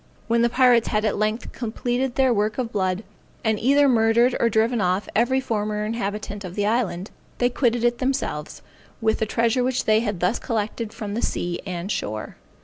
When the pirates had at length completed their work of blood, and either murdered or driven off every former inhabitant of the island, they quitted it themselves, with the treasure which they had thus collected from the sea and shore.